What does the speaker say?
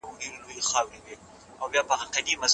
پس مینه وکړئ.